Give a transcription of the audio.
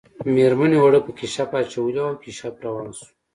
میرمنې اوړه په کشپ اچولي وو او کشپ روان شو